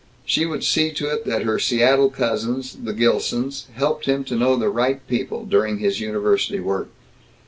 She would see to it that her Seattle cousins, the Gilsons, helped him to know the right people, during his university work.